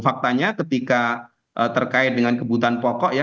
faktanya ketika terkait dengan kebutuhan pokok ya